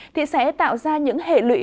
thì sẽ tạo ra những hệ lụy